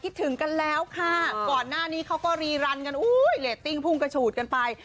ถึงกันแล้วค่ะก่อนหน้านี้เขาก็รีรันกันอุ้ยเรตติ้งพุ่งกระฉูดกันไป